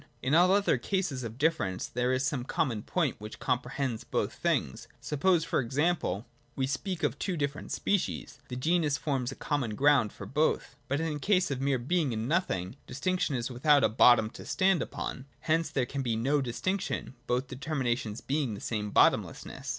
In all other cases of difference there is some common point which comprehends both things. Suppose e.g. we speak of two different species : the genus forms a common ground for both. But in the case of mere Being and Nothino , dis tinction is without a bottom to stand upon : hence there can be 87, 88.] BEING AND NOTHING. 163 no distinction, both determinations being the same bottom lessness.